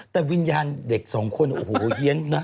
แต่วิญญาณเด็กสองคนโอ้โหเฮียนนะ